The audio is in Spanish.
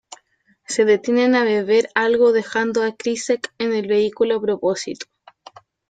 Se detienen a beber algo dejando a Krycek en el vehículo a propósito.